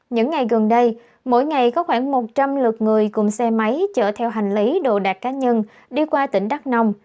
những ngày gần đây mỗi ngày có khoảng một trăm linh lượt người cùng xe máy chở theo hành lý đồ đạc cá nhân đi qua tỉnh đắk nông